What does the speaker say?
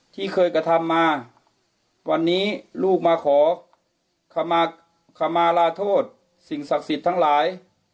ที่เคยกระทำมาวันนี้ลูกมาขอคำมาลาโทษสิ่งศักดิ์สิทธิ์ทั้งหลาย